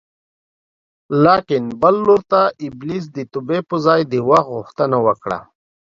لاکن بل لور ته ابلیس د توبې په ځای د وخت غوښتنه وکړه